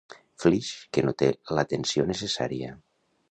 Flix, que no té la tensió necessària.